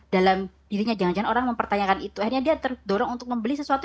dalam dirinya jangan jangan orang mempertanyakan itu akhirnya dia terdorong untuk membeli sesuatu